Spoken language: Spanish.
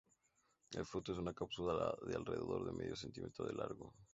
El fruto es una cápsula de alrededor de medio centímetro de largo.